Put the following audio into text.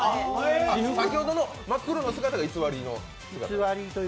先ほどの真っ黒な姿が偽りの？